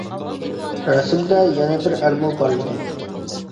رەسىمدە يەنە بىر ئەرمۇ بار ئىدى.